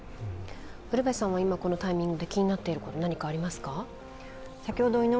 ウルヴェさんは今、このタイミングで気になっていることは何かありますか？